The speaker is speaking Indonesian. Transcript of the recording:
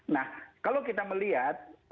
nah kalau kita melihat